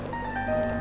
terima kasih dok